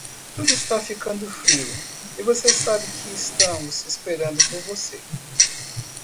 Tudo está ficando frio e você sabe que estamos esperando por você.